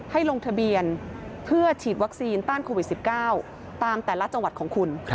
ให้ลงทะเบียนเพื่อฉีดวัคซีนต้านโควิด๑๙ตามแต่ละจังหวัดของคุณ